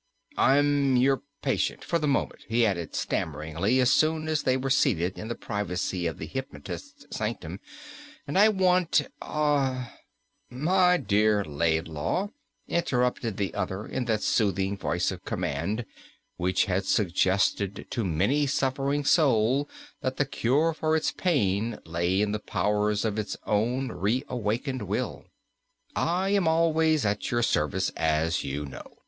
"I'm your patient for the moment," he added stammeringly as soon as they were seated in the privacy of the hypnotist's sanctum, "and I want er " "My dear Laidlaw," interrupted the other, in that soothing voice of command which had suggested to many a suffering soul that the cure for its pain lay in the powers of its own reawakened will, "I am always at your service, as you know.